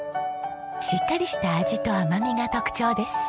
しっかりした味と甘みが特徴です。